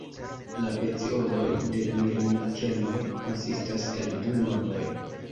La pecioloj de Mirmikenoj konsistas el du nodoj.